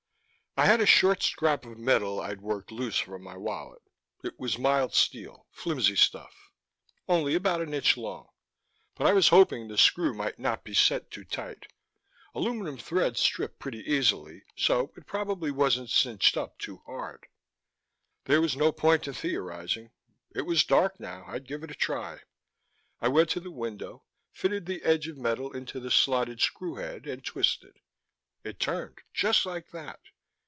I had a short scrap of metal I'd worked loose from my wallet. It was mild steel, flimsy stuff, only about an inch long, but I was hoping the screw might not be set too tight. Aluminum threads strip pretty easily, so it probably wasn't cinched up too hard. There was no point in theorizing. It was dark now; I'd give it a try. I went to the window, fitted the edge of metal into the slotted screw head, and twisted. It turned, just like that.